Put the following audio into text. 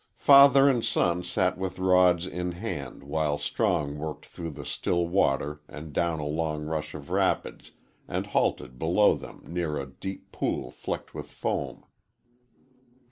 Father and son sat with rods in hand while Strong worked through the still water and down a long rush of rapids and halted below them near a deep pool flecked with foam.